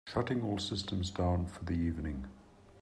Shutting all systems down for the evening.